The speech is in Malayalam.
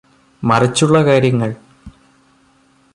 മറിച്ചുള്ള കാര്യങ്ങൾ